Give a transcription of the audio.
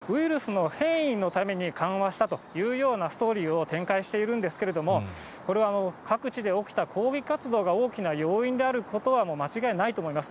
中国政府や中国メディアも、盛んに、ウイルスの変異のために緩和したというようなストーリーを展開しているんですけれども、これは各地で起きた抗議活動が大きな要因であることは間違いないと思います。